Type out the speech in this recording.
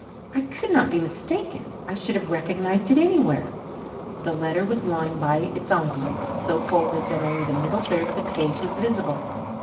I could not be mistaken I should have recognized it anywhere. The letter was lying by its envelope, so folded that only the middle third of the page was visible.